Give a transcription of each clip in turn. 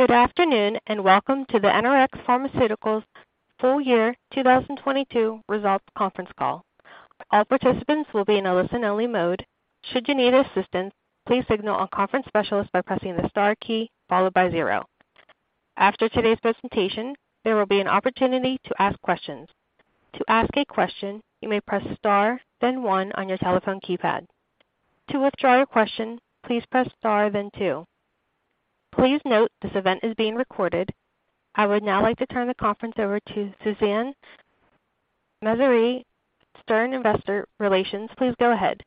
Good afternoon, welcome to the NRx Pharmaceuticals full year 2022 results conference call. All participants will be in a listen-only mode. Should you need assistance, please signal a conference specialist by pressing the star key followed by zero. After today's presentation, there will be an opportunity to ask questions. To ask a question, you may press star then one on your telephone keypad. To withdraw your question, please press star then two. Please note this event is being recorded. I would now like to turn the conference over to Suzanne Messere, Stern Investor Relations. Please go ahead.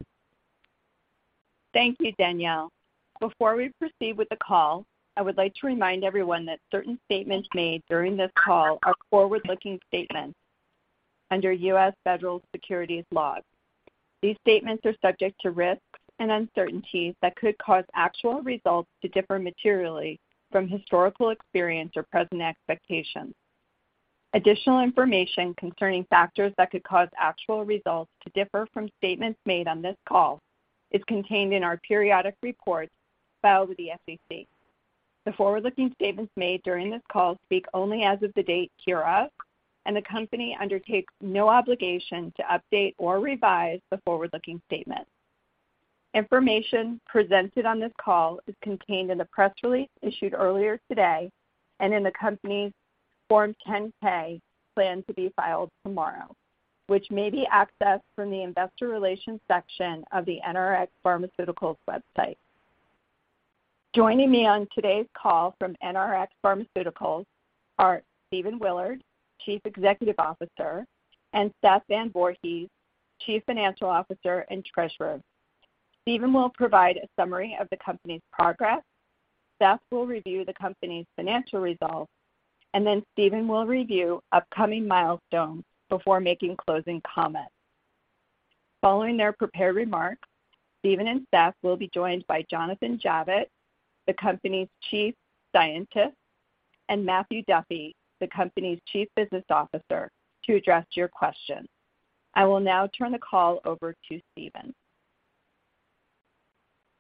Thank you, Danielle. Before we proceed with the call, I would like to remind everyone that certain statements made during this call are forward-looking statements under U.S. federal securities laws. These statements are subject to risks and uncertainties that could cause actual results to differ materially from historical experience or present expectations. Additional information concerning factors that could cause actual results to differ from statements made on this call is contained in our periodic reports filed with the SEC. The forward-looking statements made during this call speak only as of the date hereof. The company undertakes no obligation to update or revise the forward-looking statements. Information presented on this call is contained in the press release issued earlier today and in the company's Form 10-K planned to be filed tomorrow, which may be accessed from the investor relations section of the NRx Pharmaceuticals website. Joining me on today's call from NRx Pharmaceuticals are Stephen Willard, Chief Executive Officer; and Seth Van Voorhees, Chief Financial Officer and Treasurer. Stephen will provide a summary of the company's progress. Seth will review the company's financial results, and then Stephen will review upcoming milestones before making closing comments. Following their prepared remarks, Stephen and Seth will be joined by Jonathan Javitt, the company's Chief Scientist, and Matthew Duffy, the company's Chief Business Officer, to address your questions. I will now turn the call over to Stephen.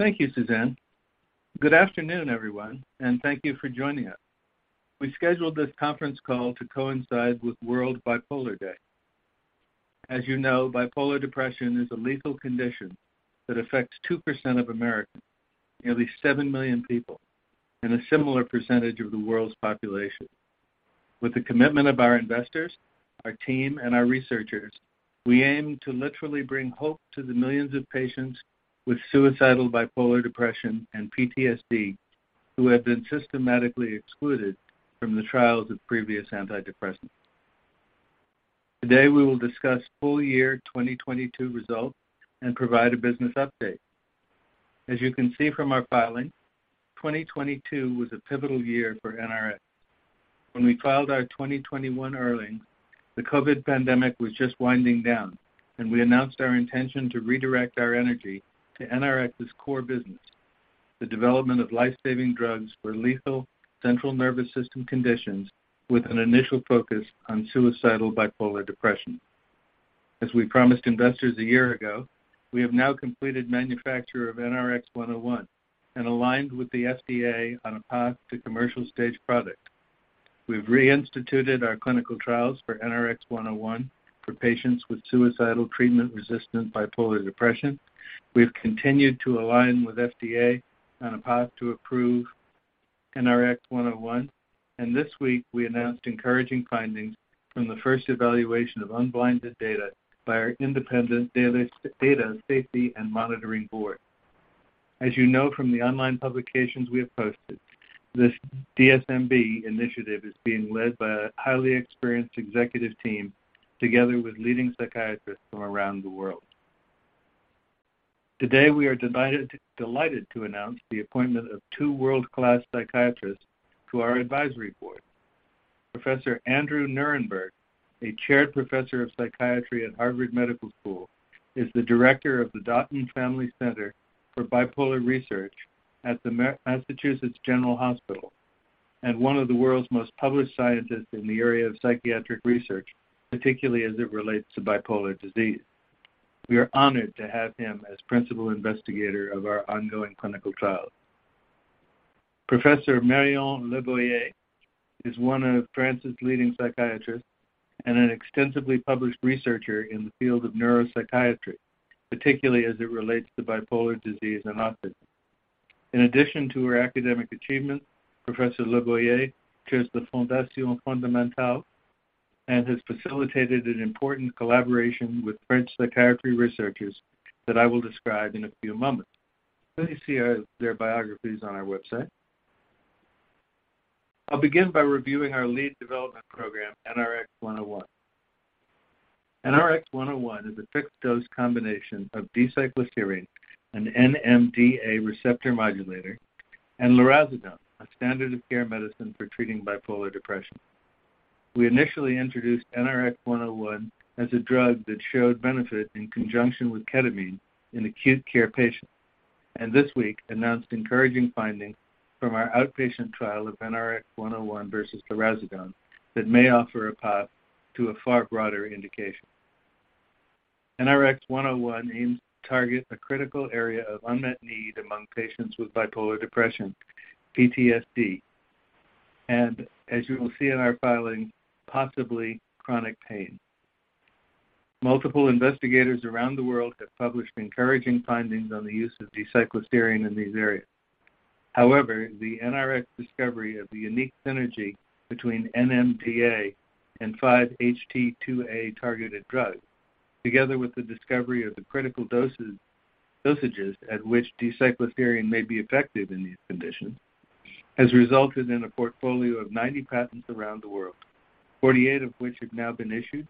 Thank you, Suzanne. Good afternoon, everyone, and thank you for joining us. We scheduled this conference call to coincide with World Bipolar Day. As you know, Bipolar Depression is a lethal condition that affects 2% of Americans, nearly 7 million people, and a similar percentage of the world's population. With the commitment of our investors, our team, and our researchers, we aim to literally bring hope to the millions of patients with Suicidal Bipolar Depression and PTSD who have been systematically excluded from the trials of previous antidepressants. Today, we will discuss full year 2022 results and provide a business update. As you can see from our filing, 2022 was a pivotal year for NRx. When we filed our 2021 earnings, the COVID pandemic was just winding down, and we announced our intention to redirect our energy to NRx's core business, the development of life-saving drugs for lethal central nervous system conditions with an initial focus on suicidal Bipolar Depression. As we promised investors a year ago, we have now completed manufacture of NRX-101 and aligned with the FDA on a path to commercial stage product. We've reinstituted our clinical trials for NRX-101 for patients with suicidal treatment-resistant Bipolar Depression. We've continued to align with FDA on a path to approve NRX-101. This week we announced encouraging findings from the first evaluation of unblinded data by our independent data safety and monitoring board. As you know from the online publications we have posted, this DSMB initiative is being led by a highly experienced executive team together with leading psychiatrists from around the world. Today, we are delighted to announce the appointment of two world-class psychiatrists to our advisory board. Professor Andrew Nierenberg, a chaired professor of psychiatry at Harvard Medical School, is the director of the Dauten Family Center for Bipolar Research at the Massachusetts General Hospital and one of the world's most published scientists in the area of psychiatric research, particularly as it relates to bipolar disease. We are honored to have him as principal investigator of our ongoing clinical trial. Professor Marion Leboyer is one of France's leading psychiatrists and an extensively published researcher in the field of neuropsychiatry, particularly as it relates to bipolar disease and autism. In addition to her academic achievements, Professor Leboyer chairs the Fondation FondaMental and has facilitated an important collaboration with French psychiatry researchers that I will describe in a few moments. Please see their biographies on our website. I'll begin by reviewing our lead development program, NRX-101. NRX-101 is a fixed-dose combination of D-cycloserine, an NMDA receptor modulator, and lurasidone, a standard of care medicine for treating Bipolar Depression. We initially introduced NRX-101 as a drug that showed benefit in conjunction with ketamine in acute care patients, and this week announced encouraging findings from our outpatient trial of NRX-101 versus lurasidone that may offer a path to a far broader indication. NRX-101 aims to target a critical area of unmet need among patients with Bipolar Depression, PTSD, and as you will see in our filing, possibly chronic pain. Multiple investigators around the world have published encouraging findings on the use of D-cycloserine in these areas. However, the NRx discovery of the unique synergy between NMDA and 5-HT2A-targeted drugs, together with the discovery of the critical doses, dosages at which D-cycloserine may be effective in these conditions, has resulted in a portfolio of 90 patents around the world, 48 of which have now been issued,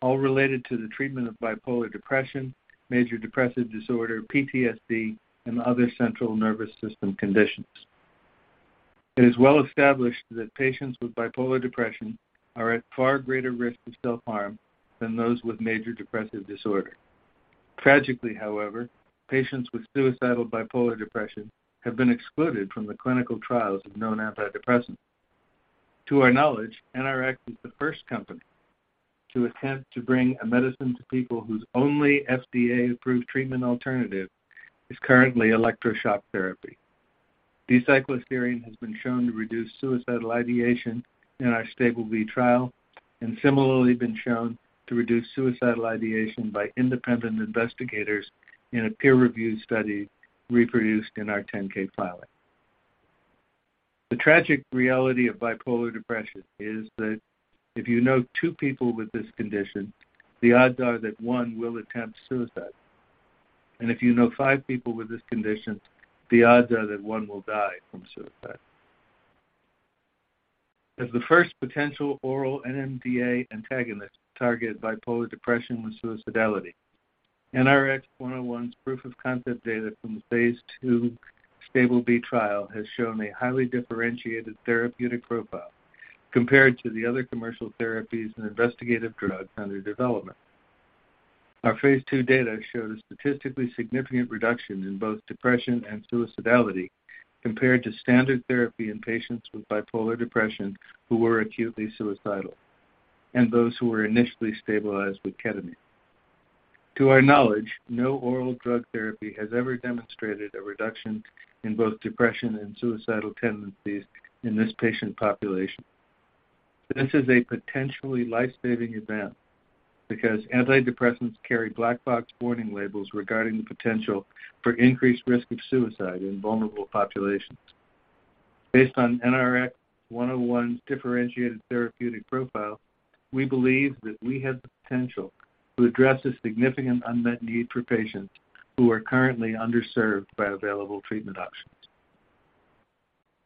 all related to the treatment of Bipolar Depression, major depressive disorder, PTSD, and other central nervous system conditions. It is well established that patients with Bipolar Depression are at far greater risk of self-harm than those with major depressive disorder. Tragically, however, patients with suicidal Bipolar Depression have been excluded from the clinical trials of known antidepressants. To our knowledge, NRx is the first company to attempt to bring a medicine to people whose only FDA-approved treatment alternative is currently electroshock therapy. D-cycloserine has been shown to reduce suicidal ideation in our STABIL-B trial and similarly been shown to reduce suicidal ideation by independent investigators in a peer-reviewed study reproduced in our 10-K filing. The tragic reality of Bipolar Depression is that if you know two people with this condition, the odds are that one will attempt suicide. If you know five people with this condition, the odds are that one will die from suicide. As the first potential oral NMDA antagonist to target Bipolar Depression with suicidality, NRX-101's proof of concept data from the phase II STABIL-B trial has shown a highly differentiated therapeutic profile compared to the other commercial therapies and investigative drugs under development. Our phase II data showed a statistically significant reduction in both depression and suicidality compared to standard therapy in patients with Bipolar Depression who were acutely suicidal and those who were initially stabilized with ketamine. To our knowledge, no oral drug therapy has ever demonstrated a reduction in both depression and suicidal tendencies in this patient population. This is a potentially life-saving event because antidepressants carry black box warning labels regarding the potential for increased risk of suicide in vulnerable populations. Based on NRX-101's differentiated therapeutic profile, we believe that we have the potential to address a significant unmet need for patients who are currently underserved by available treatment options.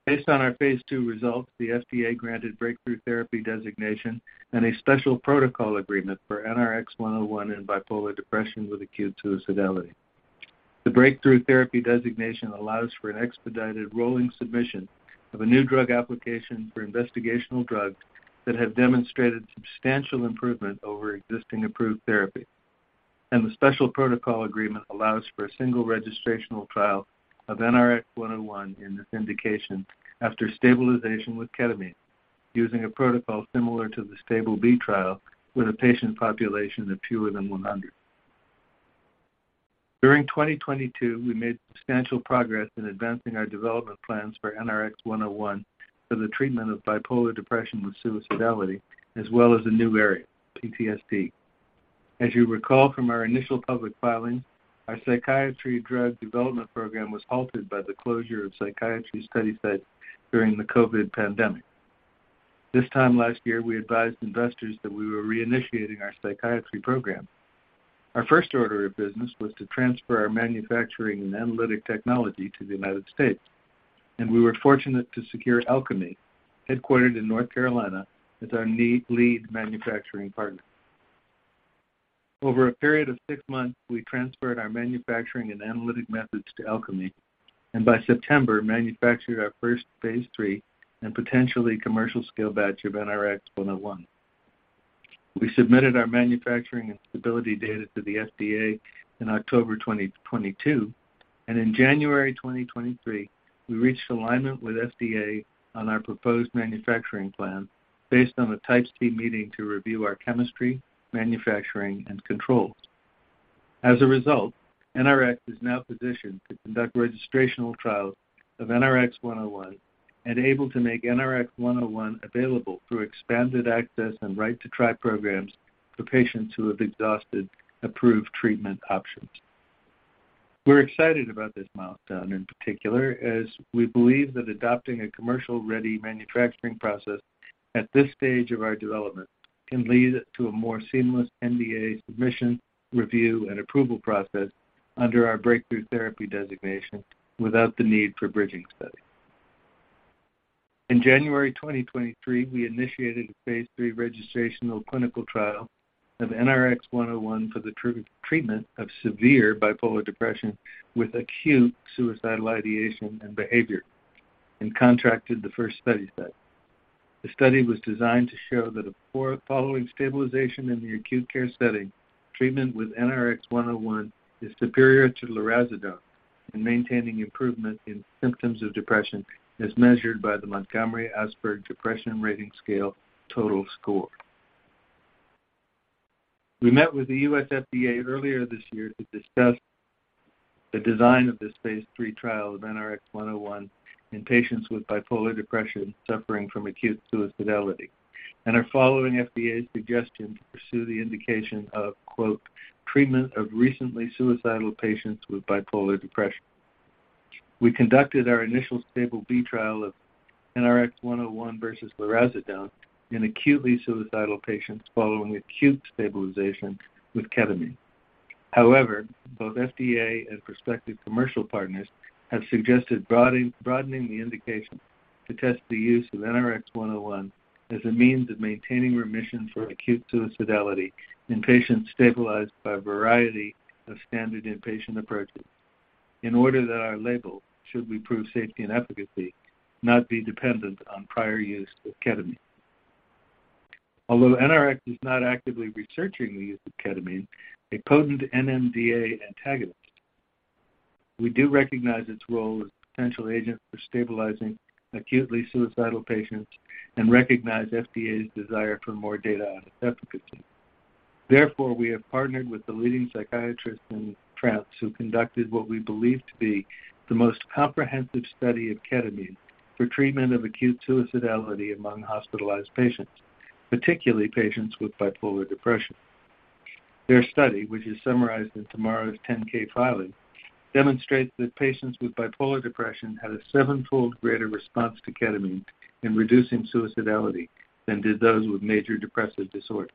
Based on our phase II results, the FDA granted Breakthrough Therapy Designation and a Special Protocol Assessment for NRX-101 in Bipolar Depression with acute suicidality. The Breakthrough Therapy Designation allows for an expedited rolling submission of a new drug application for investigational drugs that have demonstrated substantial improvement over existing approved therapy. The Special Protocol Agreement allows for a single registrational trial of NRX-101 in this indication after stabilization with ketamine using a protocol similar to the STABIL-B trial with a patient population of fewer than 100. During 2022, we made substantial progress in advancing our development plans for NRX-101 for the treatment of Bipolar Depression with suicidality as well as a new area, PTSD. As you recall from our initial public filing, our psychiatry drug development program was halted by the closure of psychiatry study sites during the COVID pandemic. This time last year, we advised investors that we were reinitiating our psychiatry program. Our first order of business was to transfer our manufacturing and analytic technology to the United States, and we were fortunate to secure Alkermes, headquartered in North Carolina, as our lead manufacturing partner. Over a period of six months, we transferred our manufacturing and analytic methods to Alkermes and by September, manufactured our first phase III and potentially commercial scale batch of NRX-101. We submitted our manufacturing and stability data to the FDA in October 2022, and in January 2023, we reached alignment with FDA on our proposed manufacturing plan based on a Type C Meeting to review our chemistry, manufacturing, and controls. As a result, NRx is now positioned to conduct registrational trials of NRX-101 and able to make NRX-101 available through expanded access and right to try programs for patients who have exhausted approved treatment options. We're excited about this milestone in particular, as we believe that adopting a commercial-ready manufacturing process at this stage of our development can lead to a more seamless NDA submission, review, and approval process under our Breakthrough Therapy Designation without the need for bridging studies. In January 2023, we initiated a phase III registrational clinical trial of NRX-101 for the treatment of severe Bipolar Depression with acute suicidal ideation and behavior and contracted the first study site. The study was designed to show that following stabilization in the acute care setting, treatment with NRX-101 is superior to lurasidone. Maintaining improvement in symptoms of depression as measured by the Montgomery-Åsberg Depression Rating Scale total score. We met with the U.S. FDA earlier this year to discuss the design of this phase III trial of NRX-101 in patients with Bipolar Depression suffering from acute suicidality and are following FDA's suggestion to pursue the indication of, quote, "treatment of recently suicidal patients with Bipolar Depression." We conducted our initial STABIL-B trial of NRX-101 versus lurasidone in acutely suicidal patients following acute stabilization with ketamine. Both FDA and prospective commercial partners have suggested broadening the indication to test the use of NRX-101 as a means of maintaining remission for acute suicidality in patients stabilized by a variety of standard inpatient approaches in order that our label, should we prove safety and efficacy, not be dependent on prior use of ketamine. Although NRx is not actively researching the use of ketamine, a potent NMDA antagonist, we do recognize its role as a potential agent for stabilizing acutely suicidal patients and recognize FDA's desire for more data on its efficacy. Therefore, we have partnered with the leading psychiatrist in France who conducted what we believe to be the most comprehensive study of ketamine for treatment of acute suicidality among hospitalized patients, particularly patients with Bipolar Depression. Their study, which is summarized in tomorrow's 10-K filing, demonstrates that patients with Bipolar Depression had a seven-fold greater response to ketamine in reducing suicidality than did those with major depressive disorder.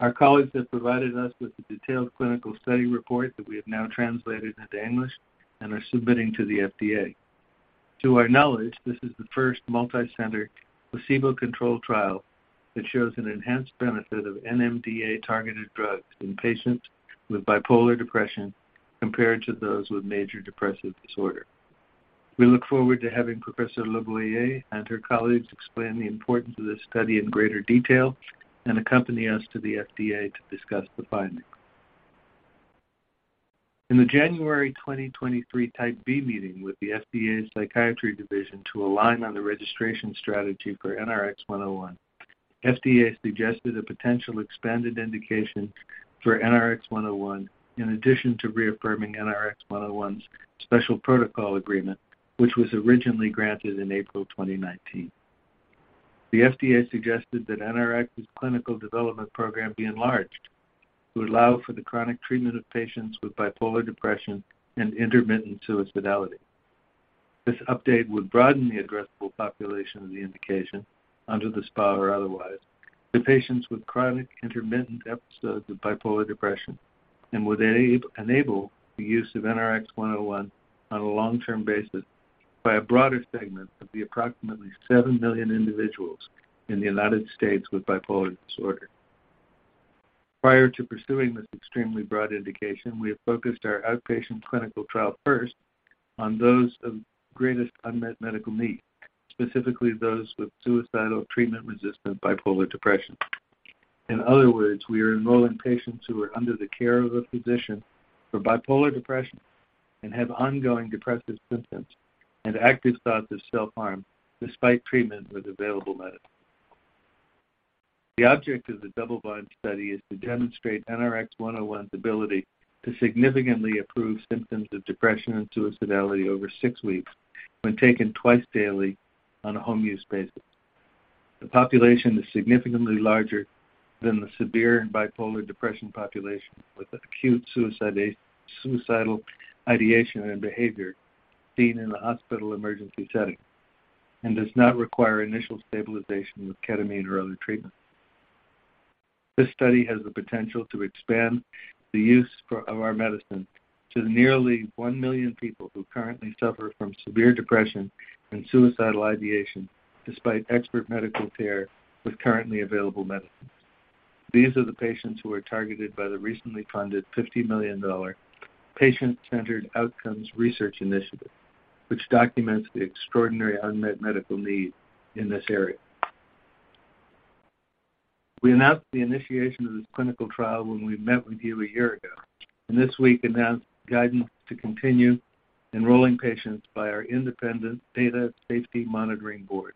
Our colleagues have provided us with a detailed clinical study report that we have now translated into English and are submitting to the FDA. To our knowledge, this is the first multi-center, placebo-controlled trial that shows an enhanced benefit of NMDA-targeted drugs in patients with Bipolar Depression compared to those with major depressive disorder. We look forward to having Professor Leboyer and her colleagues explain the importance of this study in greater detail and accompany us to the FDA to discuss the findings. In the January 2023 Type B Meeting with the FDA's Psychiatry Division to align on the registration strategy for NRX-101, FDA suggested a potential expanded indication for NRX-101 in addition to reaffirming NRX-101's Special Protocol Agreement which was originally granted in April 2019. The FDA suggested that NRx's Clinical Development Program be enlarged to allow for the chronic treatment of patients with Bipolar Depression and Intermittent Suicidality. This update would broaden the addressable population of the indication under the SPA or otherwise to patients with chronic intermittent episodes of Bipolar Depression and would enable the use of NRX-101 on a long-term basis by a broader segment of the approximately 7 million individuals in the United States with bipolar disorder. Prior to pursuing this extremely broad indication, we have focused our outpatient clinical trial first on those of greatest unmet medical need, specifically those with suicidal treatment-resistant Bipolar Depression. In other words, we are enrolling patients who are under the care of a physician for Bipolar Depression and have ongoing depressive symptoms and active thoughts of self-harm despite treatment with available medicines. The object of the double-blind study is to demonstrate NRX-101's ability to significantly improve symptoms of depression and suicidality over six weeks when taken twice daily on a home-use basis. The population is significantly larger than the severe and Bipolar Depression population with acute suicidal ideation and behavior seen in the hospital emergency setting and does not require initial stabilization with ketamine or other treatment. This study has the potential to expand the use of our medicine to the nearly one million people who currently suffer from severe depression and suicidal ideation despite expert medical care with currently available medicines. These are the patients who are targeted by the recently funded $50 million Patient-Centered Outcomes Research initiative, which documents the extraordinary unmet medical need in this area. We announced the initiation of this clinical trial when we met with you a year ago and this week announced guidance to continue enrolling patients by our independent Data Safety Monitoring Board,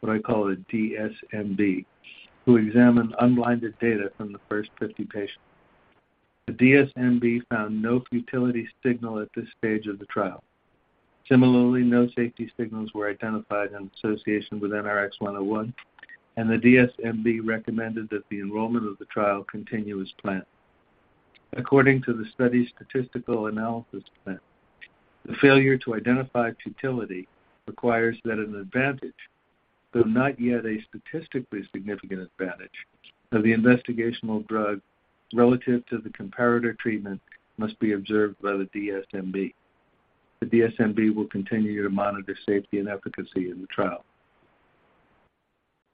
what I call a DSMB, who examined unblinded data from the first 50 patients. The DSMB found no futility signal at this stage of the trial. Similarly, no safety signals were identified in association with NRX-101, and the DSMB recommended that the enrollment of the trial continue as planned. According to the study's statistical analysis plan, the failure to identify futility requires that an advantage, though not yet a statistically significant advantage, of the investigational drug relative to the comparator treatment must be observed by the DSMB. The DSMB will continue to monitor safety and efficacy in the trial.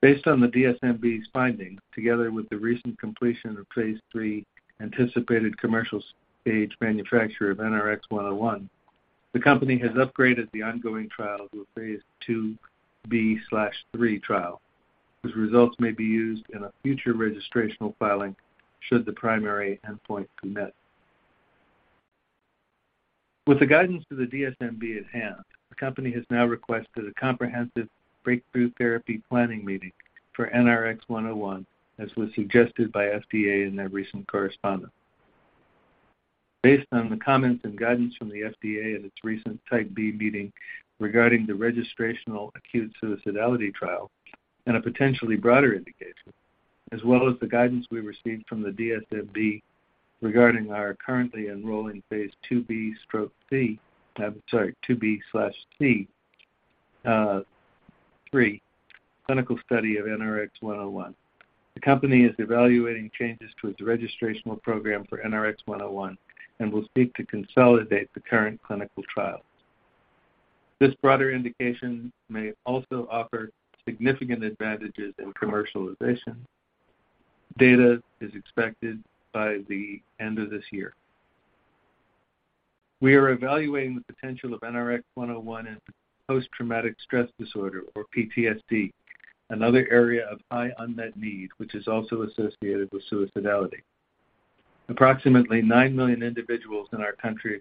Based on the DSMB's findings, together with the recent completion of phase III anticipated commercial stage manufacture of NRX-101, the company has upgraded the ongoing trial to a phase II-B/III trial. Whose results may be used in a future registrational filing should the primary endpoint commit. With the guidance to the DSMB at hand, the company has now requested a comprehensive Breakthrough Therapy planning meeting for NRX-101, as was suggested by FDA in their recent correspondence. Based on the comments and guidance from the FDA at its recent Type B Meeting regarding the registrational acute suicidality trial and a potentially broader indication, as well as the guidance we received from the DSMB regarding our currently enrolling phase II-B/C, I'm sorry, II-B/III clinical study of NRX-101. The company is evaluating changes to its registrational program for NRX-101 and will seek to consolidate the current clinical trials. This broader indication may also offer significant advantages in commercialization. Data is expected by the end of this year. We are evaluating the potential of NRX-101 in post-traumatic stress disorder, or PTSD, another area of high unmet need, which is also associated with suicidality. Approximately 9 million individuals in our country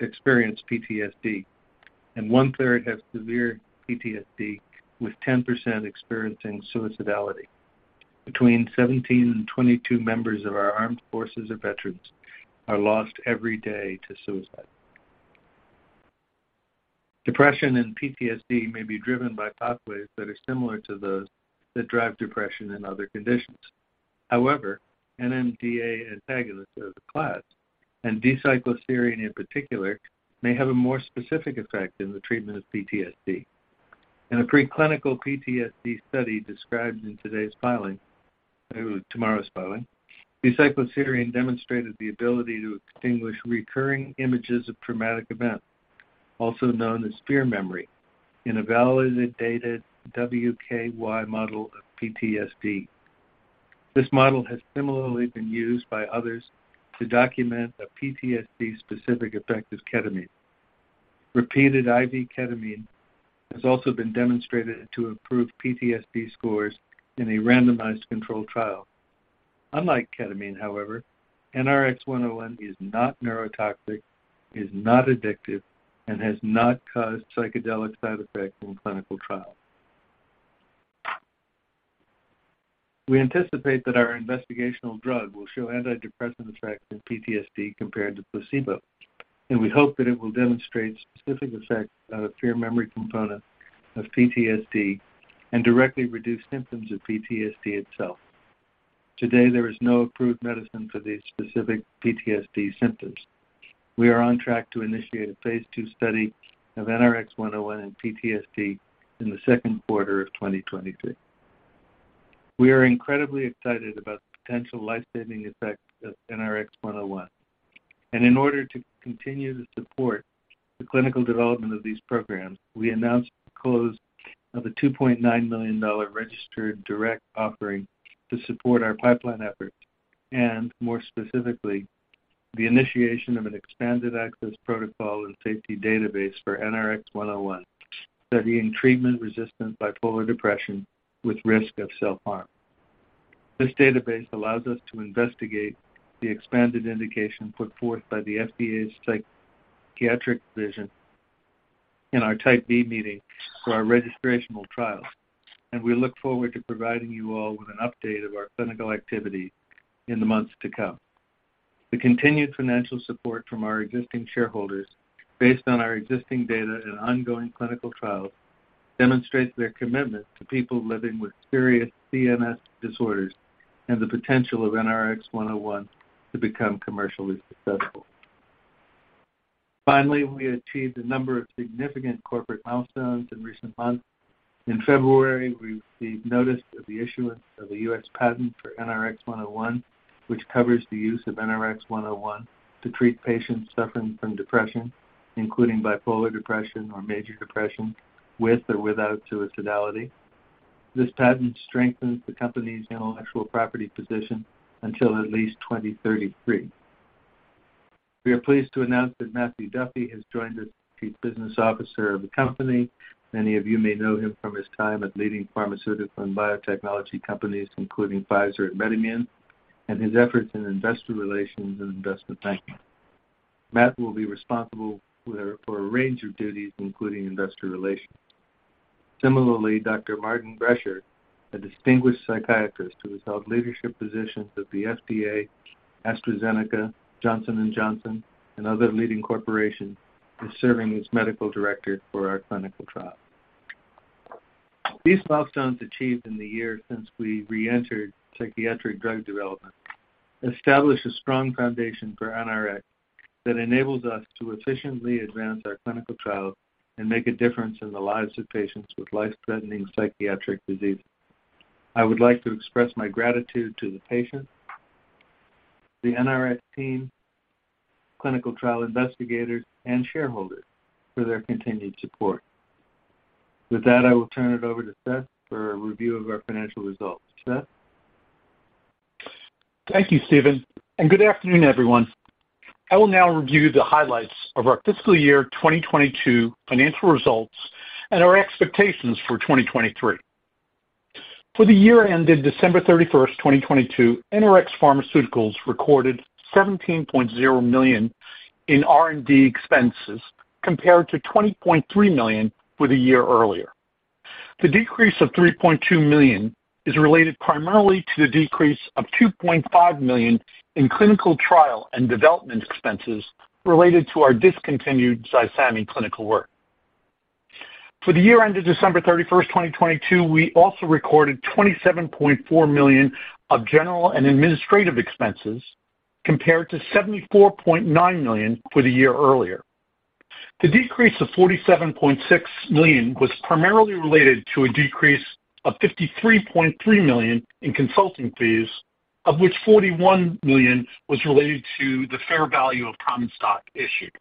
experience PTSD, and one-third have severe PTSD, with 10% experiencing suicidality. Between 17 and 22 members of our armed forces or veterans are lost every day to suicide. Depression and PTSD may be driven by pathways that are similar to those that drive depression in other conditions. However, NMDA antagonists as a class, and D-cycloserine in particular, may have a more specific effect in the treatment of PTSD. In a preclinical PTSD study described in today's filing, tomorrow's filing, D-cycloserine demonstrated the ability to extinguish recurring images of traumatic event, also known as fear memory, in a validated WKY model of PTSD. This model has similarly been used by others to document a PTSD-specific effect of ketamine. Repeated IV ketamine has also been demonstrated to improve PTSD scores in a randomized controlled trial. Unlike ketamine, however, NRX-101 is not neurotoxic, is not addictive, and has not caused psychedelic side effects in clinical trials. We anticipate that our investigational drug will show antidepressant effects in PTSD compared to placebo, and we hope that it will demonstrate specific effects on a fear memory component of PTSD and directly reduce symptoms of PTSD itself. Today, there is no approved medicine for these specific PTSD symptoms. We are on track to initiate a phase II study of NRX-101 in PTSD in the second quarter of 2023. We are incredibly excited about the potential life-saving effects of NRX-101. In order to continue to support the clinical development of these programs, we announced the close of a $2.9 million registered direct offering to support our pipeline efforts and, more specifically, the initiation of an expanded access protocol and safety database for NRX-101 studying treatment-resistant Bipolar Depression with risk of self-harm. This database allows us to investigate the expanded indication put forth by the FDA's Psychiatric Division in our Type B Meeting for our registrational trials. We look forward to providing you all with an update of our clinical activity in the months to come. The continued financial support from our existing shareholders based on our existing data and ongoing clinical trials demonstrates their commitment to people living with serious CNS disorders and the potential of NRX-101 to become commercially successful. Finally, we achieved a number of significant corporate milestones in recent months. In February, we received notice of the issuance of the U.S. patent for NRX-101, which covers the use of NRX-101 to treat patients suffering from depression, including Bipolar Depression or major depression with or without suicidality. This patent strengthens the company's Intellectual Property position until at least 2033. We are pleased to announce that Matthew Duffy has joined as Chief Business Officer of the company. Many of you may know him from his time at leading pharmaceutical and biotechnology companies, including Pfizer and Medimynd, and his efforts in investor relations and investment banking. Matt will be responsible for a range of duties, including investor relations. Similarly, Dr. Martin Brecher, a distinguished psychiatrist who has held leadership positions at the FDA, AstraZeneca, Johnson & Johnson, and other leading corporations, is serving as Medical Director for our clinical trial. These milestones achieved in the year since we reentered psychiatric drug development establish a strong foundation for NRX that enables us to efficiently advance our clinical trial and make a difference in the lives of patients with life-threatening psychiatric diseases. I would like to express my gratitude to the patients, the NRX team, clinical trial investigators, and shareholders for their continued support. With that, I will turn it over to Seth for a review of our financial results. Seth? Thank you, Stephen, and good afternoon, everyone. I will now review the highlights of our fiscal year 2022 financial results and our expectations for 2023. For the year ended December 31, 2022, NRx Pharmaceuticals recorded $17.0 million in R&D expenses, compared to $20.3 million for the year earlier. The decrease of $3.2 million is related primarily to the decrease of $2.5 million in clinical trial and development expenses related to our discontinued ZYESAMI clinical work. For the year ended December 31, 2022, we also recorded $27.4 million of general and administrative expenses, compared to $74.9 million for the year earlier. The decrease of $47.6 million was primarily related to a decrease of $53.3 million in consulting fees, of which $41 million was related to the fair value of common stock issued.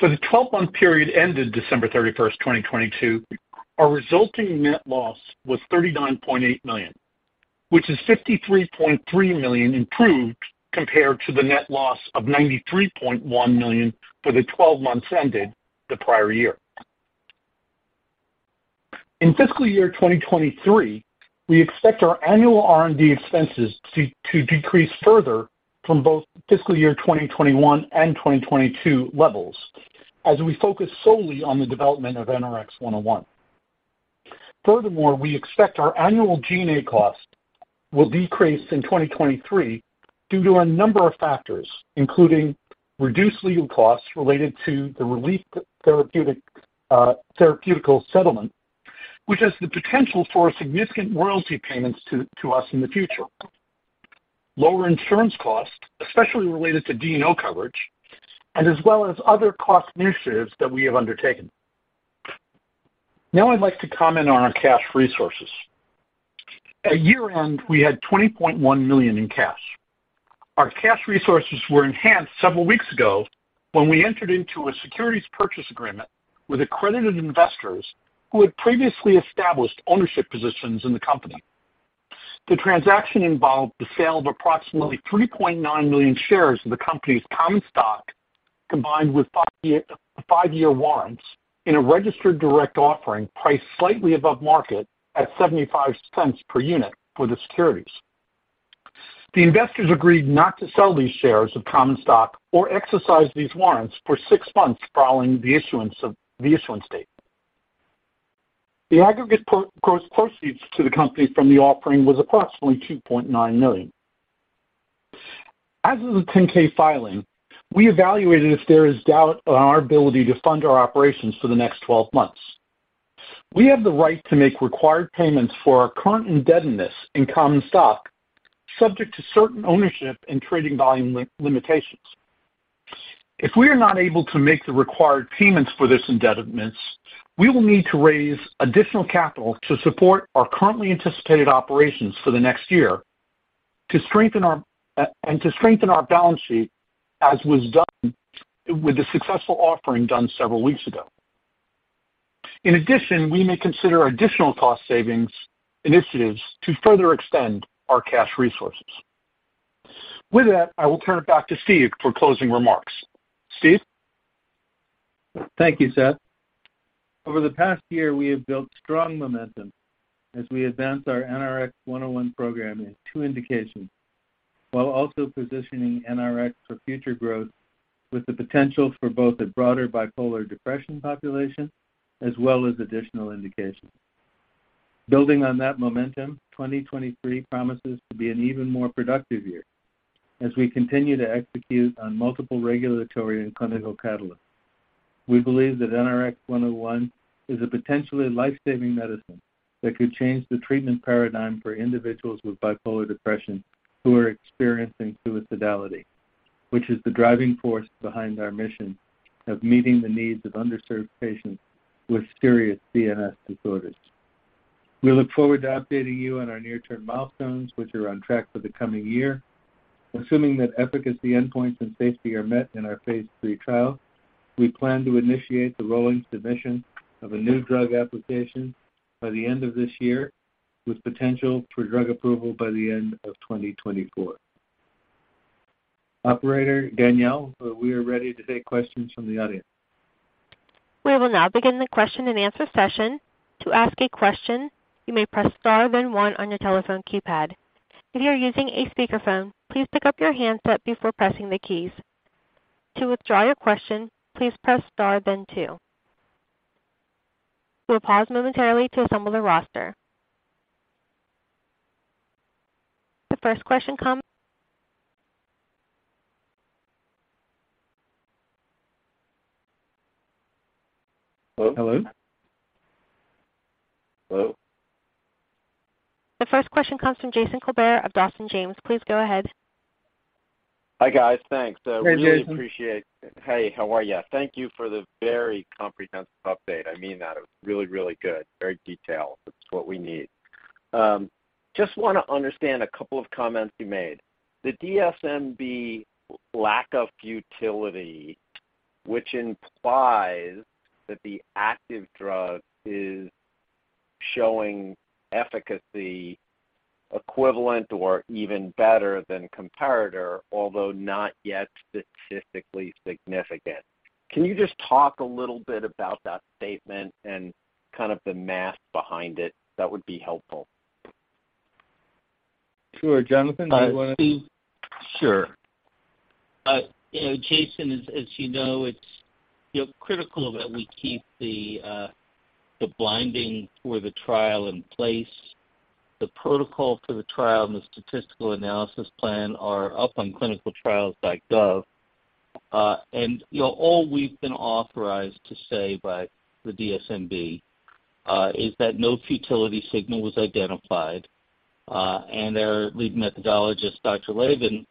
For the 12-month period ended December 31, 2022, our resulting net loss was $39.8 million, which is $53.3 million improved compared to the net loss of $93.1 million for the 12 months ended the prior year. In fiscal year 2023, we expect our annual R&D expenses to decrease further from both fiscal year 2021 and 2022 levels as we focus solely on the development of NRX-101. Furthermore, we expect our annual G&A cost will decrease in 2023 due to a number of factors, including reduced legal costs related to the Relief Therapeutics settlement, which has the potential for significant royalty payments to us in the future. Lower insurance costs, especially related to D&O coverage and as well as other cost initiatives that we have undertaken. Now I'd like to comment on our cash resources. At year-end, we had $20.1 million in cash. Our cash resources were enhanced several weeks ago when we entered into a Securities Purchase Agreement with accredited investors who had previously established ownership positions in the company. The transaction involved the sale of approximately 3.9 million shares of the company's common stock, combined with five-year warrants in a registered direct offering priced slightly above market at $0.75 per unit for the securities. The investors agreed not to sell these shares of common stock or exercise these warrants for six months following the issuance of the issuance date. The aggregate pro-gross proceeds to the company from the offering was approximately $2.9 million. As of the 10-K filing, we evaluated if there is doubt on our ability to fund our operations for the next 12 months. We have the right to make required payments for our current indebtedness in common stock, subject to certain ownership and trading volume limitations. If we are not able to make the required payments for this indebtedness, we will need to raise additional capital to support our currently anticipated operations for the next year to strengthen our and to strengthen our balance sheet, as was done with the successful offering done several weeks ago. We may consider additional cost savings initiatives to further extend our cash resources. With that, I will turn it back to Steve for closing remarks. Steve? Thank you, Seth. Over the past year, we have built strong momentum as we advance our NRX-101 program in two indications, while also positioning NRx for future growth with the potential for both a broader Bipolar Depression population as well as additional indications. Building on that momentum, 2023 promises to be an even more productive year as we continue to execute on multiple regulatory and clinical catalysts. We believe that NRX-101 is a potentially life-saving medicine that could change the treatment paradigm for individuals with Bipolar Depression who are experiencing suicidality, which is the driving force behind our mission of meeting the needs of underserved patients with serious CNS disorders. We look forward to updating you on our near-term milestones, which are on track for the coming year. Assuming that efficacy endpoints and safety are met in our phase III trial, we plan to initiate the rolling submission of a New Drug Application by the end of this year, with potential for drug approval by the end of 2024. Operator Danielle, we are ready to take questions from the audience. We will now begin the question and answer session. To ask a question, you may press star then one on your telephone keypad. If you are using a speakerphone, please pick up your handset before pressing the keys. To withdraw your question, please press star then two. We'll pause momentarily to assemble the roster. The first question. Hello? Hello? Hello? The first question comes from Jason Kolbert of Dawson James. Please go ahead. Hi, guys. Thanks. Hey, Jason. Hey, how are you? Thank you for the very comprehensive update. I mean that. It was really, really good. Very detailed. That's what we need. I just want to understand a couple of comments you made. The DSMB lack of futility, which implies that the active drug is showing efficacy equivalent or even better than comparator, although not yet statistically significant. Can you just talk a little bit about that statement and kind of the math behind it? That would be helpful. Sure. Jonathan, do you wanna- I think- Sure. you know, Jason, as you know, it's, you know, critical that we keep the blinding for the trial in place. The protocol for the trial and the statistical analysis plan are up on ClinicalTrials.gov. you know, all we've been authorized to say by the DSMB is that no futility signal was identified. Our lead methodologist, Dr. Levin,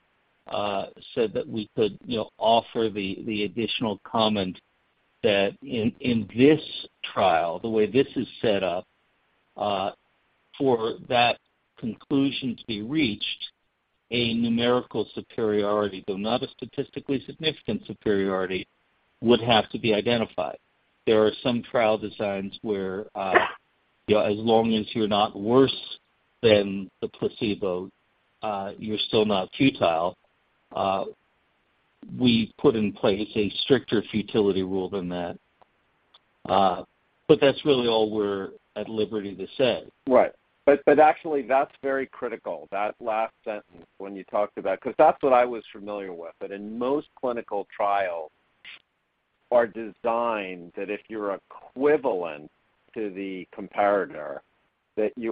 said that we could, you know, offer the additional comment that in this trial, the way this is set up, for that conclusion to be reached, a numerical superiority, though not a statistically significant superiority, would have to be identified. There are some trial designs where, you know, as long as you're not worse than the placebo, you're still not futile. We've put in place a stricter futility rule than that. That's really all we're at liberty to say. Right. Actually, that's very critical, that last sentence when you talked about... Because that's what I was familiar with. That in most clinical trials are designed that if you're equivalent to the comparator,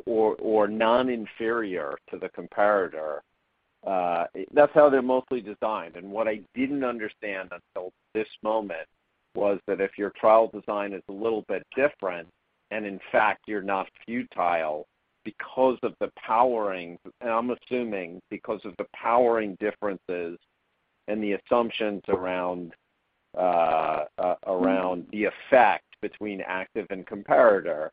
or non-inferior to the comparator, that's how they're mostly designed. What I didn't understand until this moment was that if your trial design is a little bit different, and in fact, you're not futile because of the powering, and I'm assuming because of the powering differences and the assumptions around the effect between active and comparator,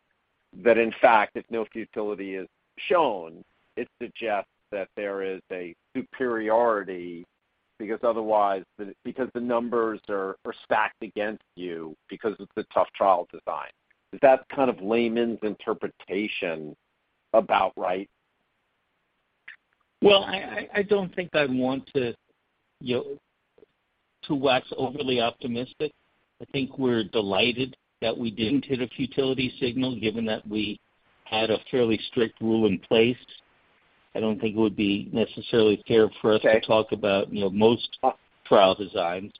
that in fact, if no futility is shown, it suggests that there is a superiority, because the numbers are stacked against you because of the tough trial design. Is that kind of layman's interpretation about right? I don't think I want to, you know, to wax overly optimistic. I think we're delighted that we didn't hit a futility signal, given that we had a fairly strict rule in place. I don't think it would be necessarily fair for us. Okay -to talk about, you know, most trial designs.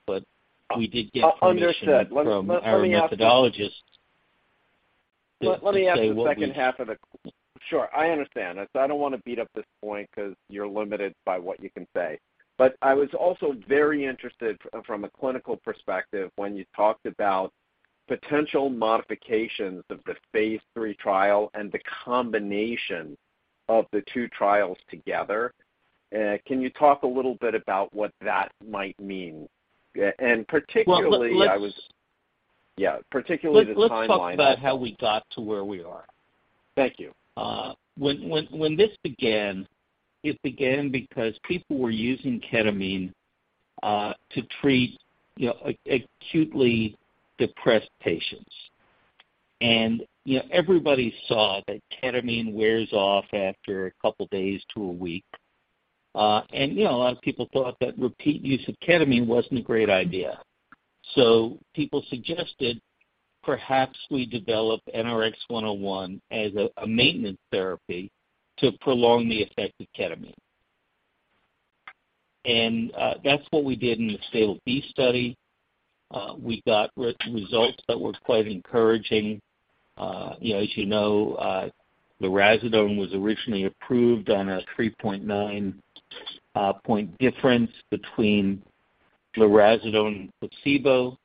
We did get permission- Understood. Let me ask you. from our methodologist to say. Let me ask the second half of the... Sure. I understand. That's, I don't wanna beat up this point 'cause you're limited by what you can say. I was also very interested from a clinical perspective when you talked about potential modifications of the phase III trial and the combination of the two trials together. Can you talk a little bit about what that might mean? Particularly, Well, let's- Yeah, particularly the timeline. Let's talk about how we got to where we are. Thank you. When this began, it began because people were using ketamine to treat, you know, acutely depressed patients. You know, everybody saw that ketamine wears off after a couple days to a week. You know, a lot of people thought that repeat use of ketamine wasn't a great idea. People suggested perhaps we develop NRX-101 as a maintenance therapy to prolong the effect of ketamine. That's what we did in the STABIL-B study. We got results that were quite encouraging. You know, as you know, lurasidone was originally approved on a 3.9 point difference between lurasidone and placebo.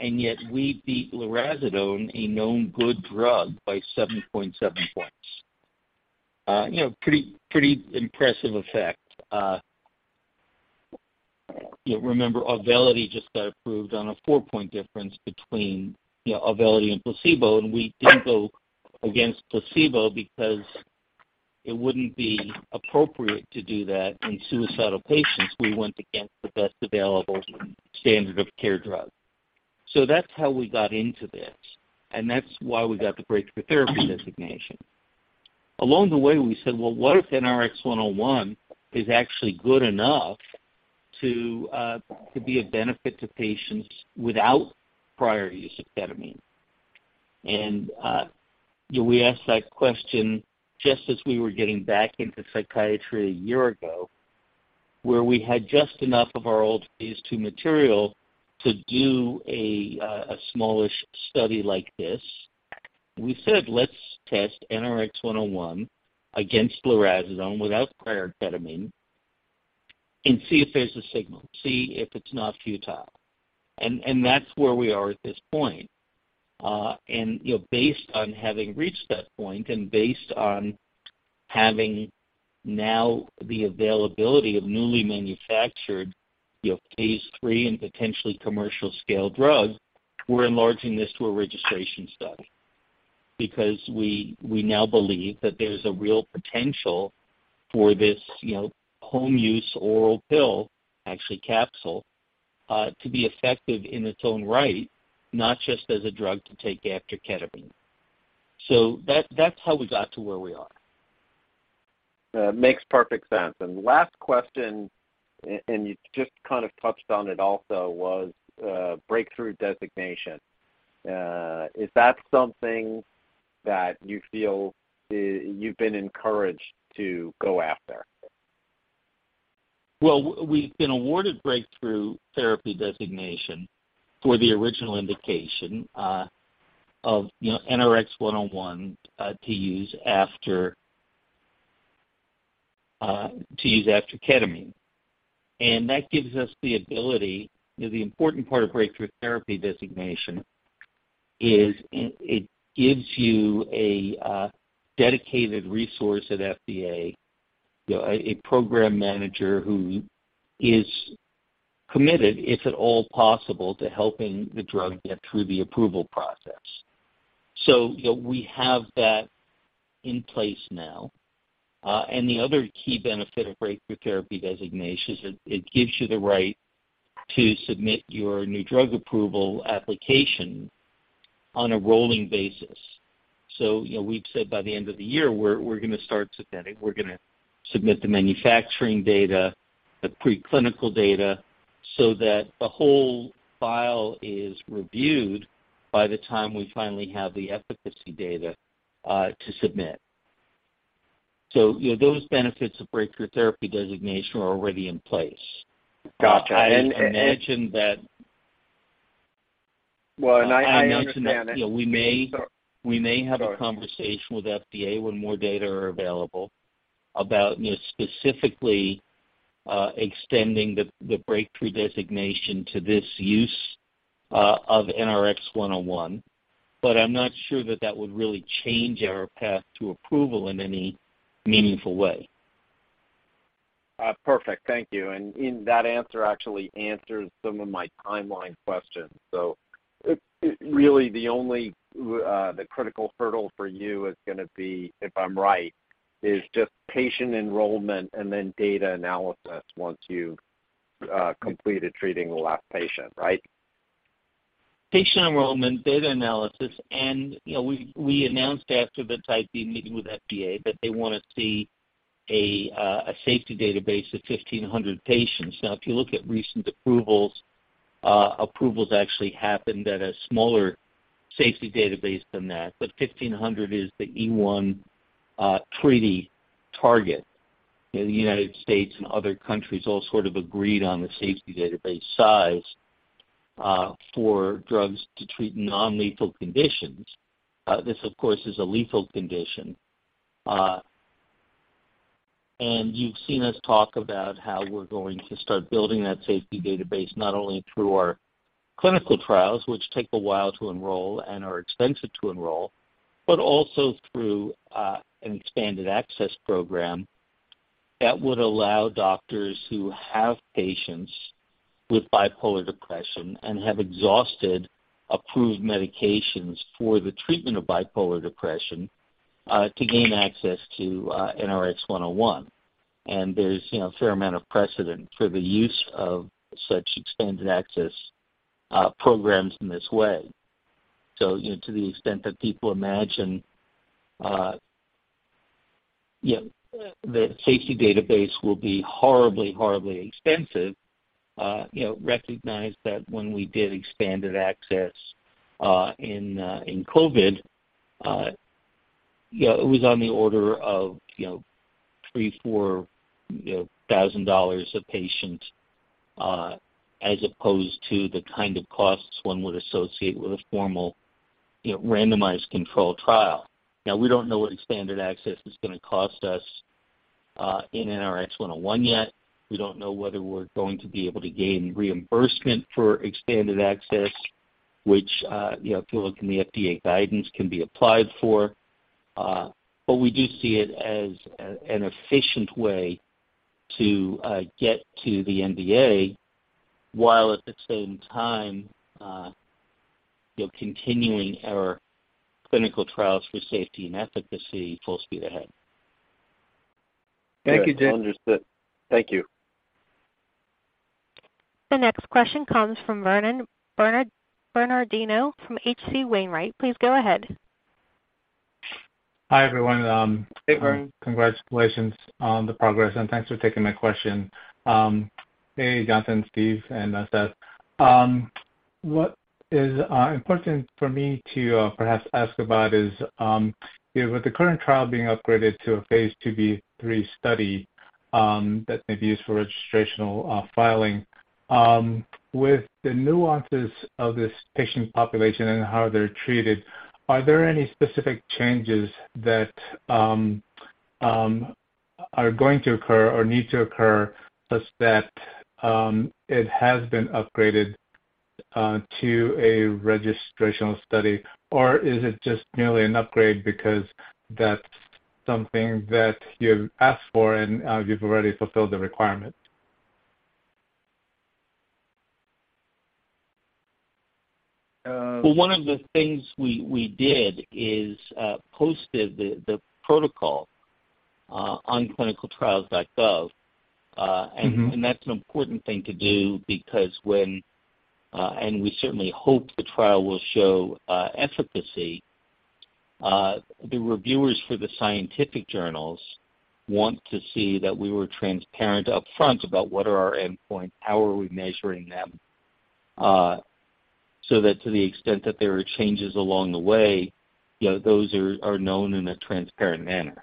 Yet we beat lurasidone, a known good drug, by 7.7 points. You know, pretty impressive effect. You know, remember AUVELITY just got approved on a four-point difference between, you know, AUVELITY and placebo, we didn't go against placebo because it wouldn't be appropriate to do that in suicidal patients. We went against the best available standard of care drug. That's how we got into this, and that's why we got the Breakthrough Therapy Designation. Along the way, we said, "Well, what if NRX-101 is actually good enough to be a benefit to patients without prior use of ketamine?" You know, we asked that question just as we were getting back into psychiatry a year ago, where we had just enough of our old phase II material to do a smallish study like this. We said, "Let's test NRX-101 against lurasidone without prior ketamine and see if there's a signal, see if it's not futile." That's where we are at this point. Based on having reached that point and based on having now the availability of newly manufactured, you know, phase III and potentially commercial scale drugs, we're enlarging this to a registration study. Because we now believe that there's a real potential for this, you know, home use oral pill, actually capsule, to be effective in its own right, not just as a drug to take after ketamine. That's how we got to where we are. Makes perfect sense. Last question, and you just kind of touched on it also, was, Breakthrough Designation. Is that something that you feel, you've been encouraged to go after? Well, we've been awarded Breakthrough Therapy Designation for the original indication, you know, NRX-101, to use after ketamine. That gives us the ability. You know, the important part of Breakthrough Therapy Designation is it gives you a dedicated resource at FDA, you know, a program manager who is committed, if at all possible, to helping the drug get through the approval process. You know, we have that in place now. The other key benefit of Breakthrough Therapy Designation is it gives you the right to submit your new drug approval application on a rolling basis. You know, we've said by the end of the year we're gonna start submitting. We're going to submit the manufacturing data, the preclinical data, that the whole file is reviewed by the time we finally have the efficacy data to submit. You know, those benefits of Breakthrough Therapy Designation are already in place. Gotcha. I imagine. Well, I understand that. I imagine that, you know... Sorry. We may have a conversation with FDA when more data are available about, you know, specifically, extending the Breakthrough Designation to this use of NRX-101, but I'm not sure that that would really change our path to approval in any meaningful way. Perfect. Thank you. That answer actually answers some of my timeline questions. Really the only, the critical hurdle for you is gonna be, if I'm right, is just patient enrollment and then data analysis once you've completed treating the last patient, right? Patient enrollment, data analysis, and, you know, we announced after the Type B Meeting with FDA that they wanna see a safety database of 1,500 patients. If you look at recent approvals actually happened at a smaller safety database than that, but 1,500 is the E/One treaty target. You know, the United States and other countries all sort of agreed on the safety database size for drugs to treat non-lethal conditions. This of course, is a lethal condition. You've seen us talk about how we're going to start building that safety database not only through our clinical trials, which take a while to enroll and are expensive to enroll, but also through an expanded access program that would allow doctors who have patients with Bipolar Depression and have exhausted approved medications for the treatment of Bipolar Depression, to gain access to NRX-101. There's, you know, a fair amount of precedent for the use of such expanded access programs in this way. You know, to the extent that people imagine, you know, the safety database will be horribly expensive, you know, recognize that when we did expanded access in COVID, you know, it was on the order of $3,000-$4,000 a patient, as opposed to the kind of costs one would associate with a formal, you know, randomized controlled trial. We don't know what expanded access is gonna cost us in NRX-101 yet. We don't know whether we're going to be able to gain reimbursement for expanded access, which, you know, if you look in the FDA guidance can be applied for. We do see it as an efficient way to get to the NDA, while at the same time, you know, continuing our clinical trials for safety and efficacy full speed ahead. Thank you, Jim. Understood. Thank you. The next question comes from Vernon Bernardino from H.C. Wainwright. Please go ahead. Hi, everyone. Hey, Vernon. Congratulations on the progress. Thanks for taking my question. Hey, Jonathan, Stephen, and Seth. What is important for me to perhaps ask about is, you know, with the current trial being upgraded to a phase II, III study that may be used for registrational filing, with the nuances of this patient population and how they're treated, are there any specific changes that are going to occur or need to occur such that it has been upgraded to a registrational study? Is it just merely an upgrade because that's something that you've asked for and you've already fulfilled the requirement? Well, one of the things we did is posted the protocol on ClinicalTrials.gov. Mm-hmm. That's an important thing to do because when, and we certainly hope the trial will show efficacy, the reviewers for the scientific journals want to see that we were transparent upfront about what are our endpoints, how are we measuring them, so that to the extent that there are changes along the way, you know, those are known in a transparent manner.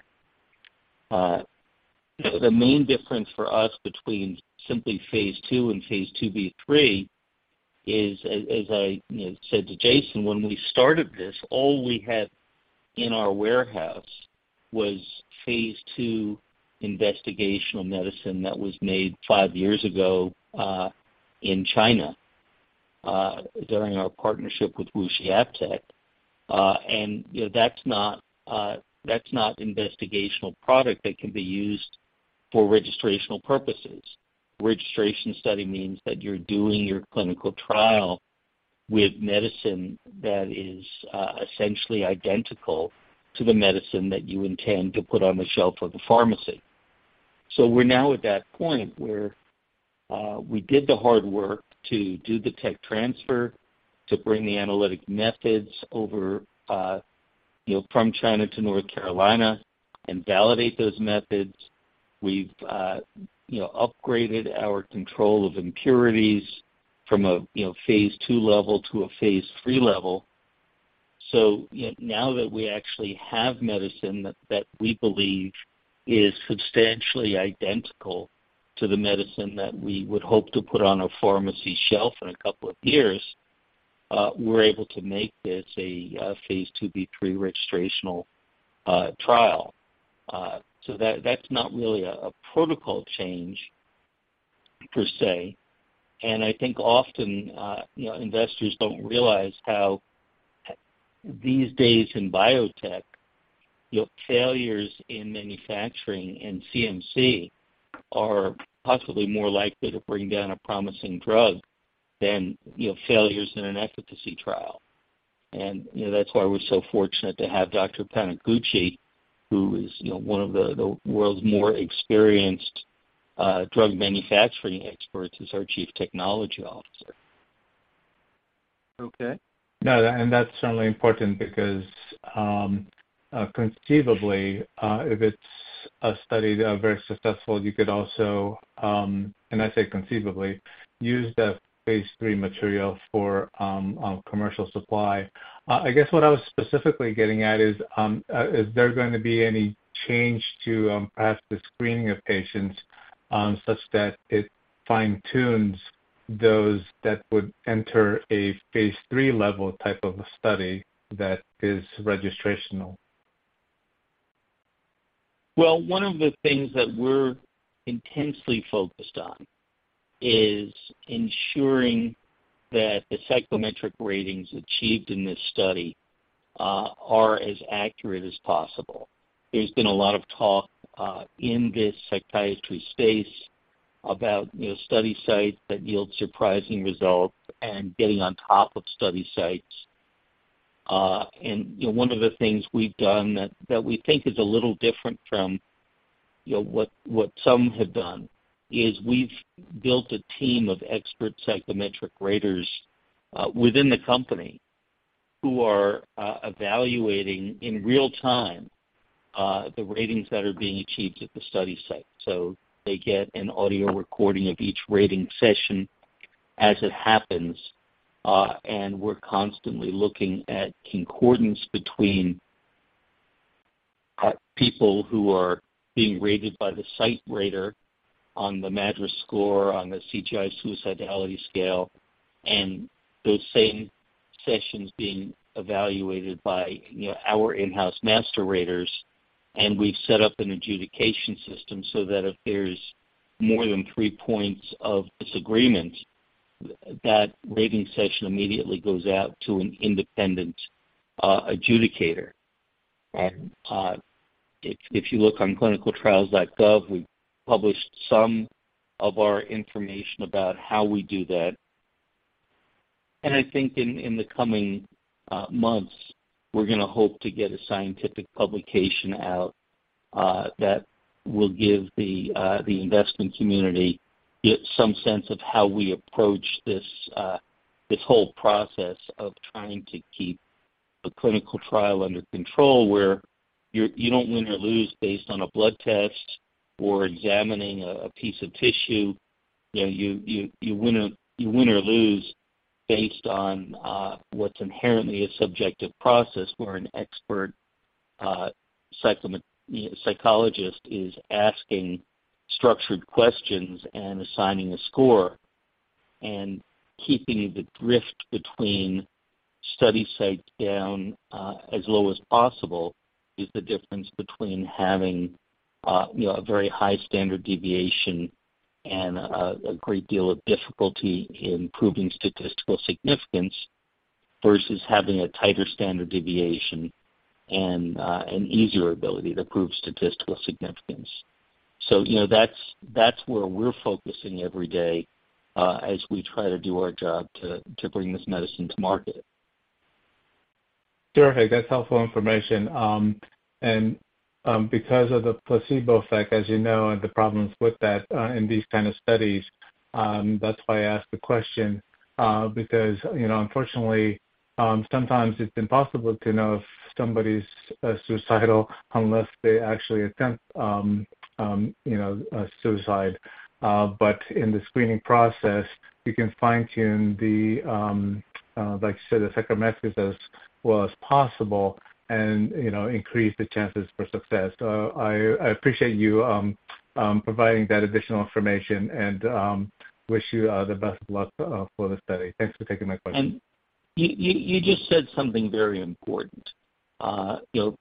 The main difference for us between simply phase II and phase II-B/III is, as I, you know, said to Jason, when we started this, all we had in our warehouse was phase II investigational medicine that was made five years ago, in China, during our partnership with WuXi AppTec. And, you know, that's not, that's not investigational product that can be used for registrational purposes. Registration study means that you're doing your clinical trial with medicine that is essentially identical to the medicine that you intend to put on the shelf of the pharmacy. We're now at that point where we did the hard work to do the tech transfer, to bring the analytic methods over, you know, from China to North Carolina and validate those methods. We've, you know, upgraded our control of impurities from a, you know, phase II level to a phase III level. Now that we actually have medicine that we believe is substantially identical to the medicine that we would hope to put on a pharmacy shelf in a couple of years, we're able to make this a phase II-B/III registrational trial. That's not really a protocol change per se. I think often, you know, investors don't realize how these days in biotech, you know, failures in manufacturing and CMC are possibly more likely to bring down a promising drug than, you know, failures in an efficacy trial. You know, that's why we're so fortunate to have Dr. Taniguchi, who is, you know, one of the world's more experienced, drug manufacturing experts as our chief technology officer. Okay. No, that's certainly important because, conceivably, if it's a study that are very successful, you could also, and I say conceivably, use that phase III material for commercial supply. I guess what I was specifically getting at is there going to be any change to perhaps the screening of patients, such that it fine-tunes those that would enter a phase III level type of a study that is registrational? Well, one of the things that we're intensely focused on is ensuring that the psychometric ratings achieved in this study are as accurate as possible. There's been a lot of talk in this psychiatry space about, you know, study sites that yield surprising results and getting on top of study sites. You know, one of the things we've done that we think is a little different from, you know, what some have done is we've built a team of expert psychometric raters within the company who are evaluating in real time the ratings that are being achieved at the study site. They get an audio recording of each rating session as it happens, and we're constantly looking at concordance between people who are being rated by the site rater on the MADRS score, on the CGI-SS scale, and those same sessions being evaluated by, you know, our in-house master raters. We've set up an adjudication system so that if there's more than three points of disagreement, that rating session immediately goes out to an Independent Adjudicator. If, if you look on ClinicalTrials.gov, we published some of our information about how we do that. I think in the coming months, we're gonna hope to get a scientific publication out that will give the investment community some sense of how we approach this whole process of trying to keep a clinical trial under control where you don't win or lose based on a blood test or examining a piece of tissue. You know, you win or lose based on what's inherently a subjective process where an expert psychologist is asking structured questions and assigning a score. Keeping the drift between study sites down as low as possible is the difference between having, you know, a very high standard deviation and a great deal of difficulty in proving statistical significance versus having a tighter standard deviation and an easier ability to prove statistical significance. You know, that's where we're focusing every day, as we try to do our job to bring this medicine to market. Terrific. That's helpful information. Because of the placebo effect, as you know, and the problems with that, in these kind of studies, that's why I asked the question. Because, you know, unfortunately, sometimes it's impossible to know if somebody's suicidal unless they actually attempt, you know, suicide. But in the screening process, you can fine-tune the, like you said, the psychometrics as well as possible and, you know, increase the chances for success. I appreciate you providing that additional information and wish you the best of luck for the study. Thanks for taking my question. You just said something very important. You know,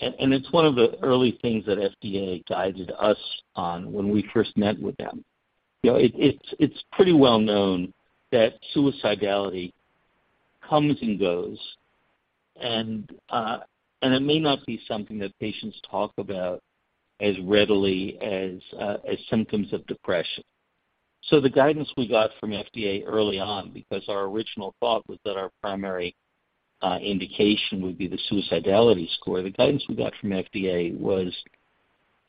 and it's one of the early things that FDA guided us on when we first met with them. You know, it's pretty well known that suicidality comes and goes, and it may not be something that patients talk about as readily as symptoms of depression. The guidance we got from FDA early on, because our original thought was that our primary indication would be the suicidality score, the guidance we got from FDA was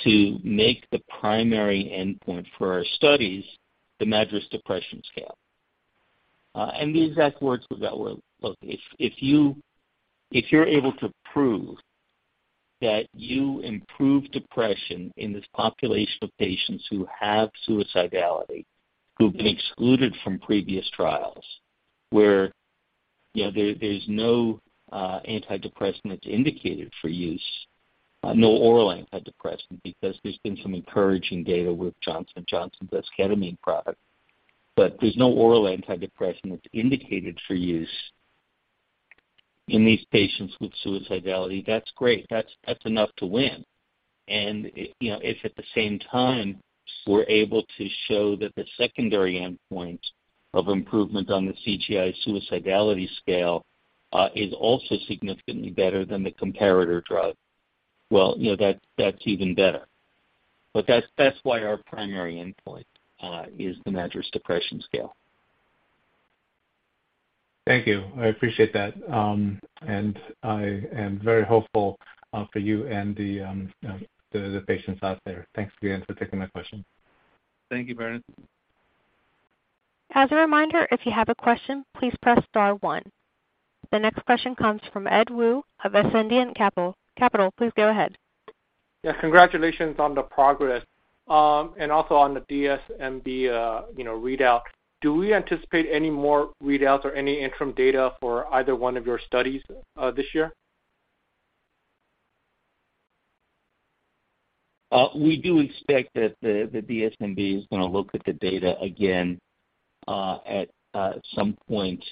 to make the primary endpoint for our studies the MADRS Depression Scale. The exact words were that were, "Look, if you, if you're able to prove that you improve depression in this population of patients who have suicidality, who've been excluded from previous trials, where, you know, there's no antidepressant that's indicated for use, no oral antidepressant." There's been some encouraging data with Johnson & Johnson's esketamine product. There's no oral antidepressant that's indicated for use in these patients with suicidality, that's great. That's, that's enough to win. You know, if at the same time we're able to show that the secondary endpoint of improvement on the CGI Suicidality scale is also significantly better than the comparator drug, well, you know, that's even better. That's, that's why our primary endpoint is the MADRS Depression Scale. Thank you. I appreciate that. I am very hopeful for you and the patients out there. Thanks again for taking my question. Thank you, Baron. As a reminder, if you have a question, please press star one. The next question comes from Ed Woo of Ascendiant Capital. Please go ahead. Yeah. Congratulations on the progress. Also on the DSMB, you know, readout. Do we anticipate any more readouts or any interim data for either one of your studies, this year? We do expect that the DSMB is gonna look at the data again, at some point,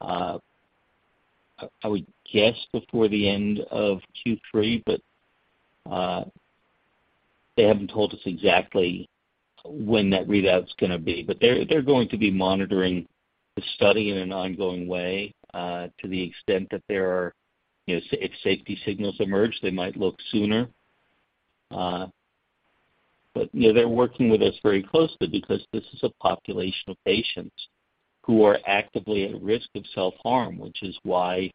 I would guess before the end of Q3, but they haven't told us exactly when that readout's gonna be. They're going to be monitoring the study in an ongoing way, to the extent that there are, you know, if safety signals emerge, they might look sooner. You know, they're working with us very closely because this is a population of patients who are actively at risk of self-harm, which is why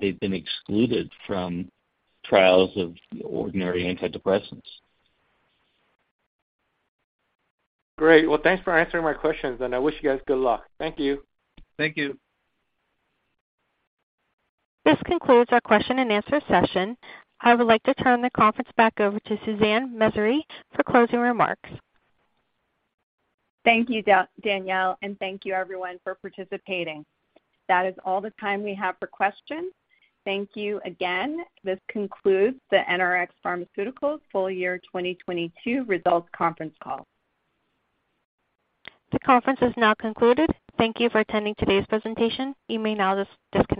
they've been excluded from trials of ordinary antidepressants. Great. Well, thanks for answering my questions. I wish you guys good luck. Thank you. Thank you. This concludes our question and answer session. I would like to turn the conference back over to Suzanne Messere for closing remarks. Thank you, Danielle, and thank you everyone for participating. That is all the time we have for questions. Thank you again. This concludes the NRx Pharmaceuticals full year 2022 results conference call. The conference has now concluded. Thank you for attending today's presentation. You may now disconnect.